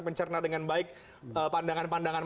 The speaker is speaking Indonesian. mencerna dengan baik pandangan pandangan